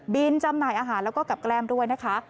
จำหน่ายอาหารแล้วก็กับแกล้มด้วยนะคะ